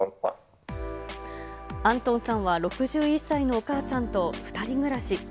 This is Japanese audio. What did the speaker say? アントンさんは６１歳のお母さんと２人暮らし。